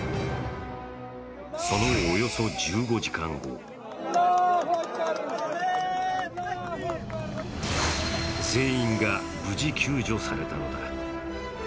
そのおよそ１５時間後全員が無事救助されたのだ。